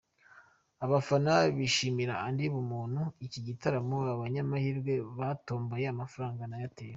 Abafana bishimiye Andy BumuntuMuri iki gitaramo abanyamahirwe batomboye amafaranga na Airtel.